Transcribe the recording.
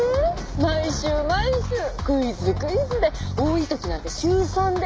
毎週毎週クイズクイズで多い時なんて週３で！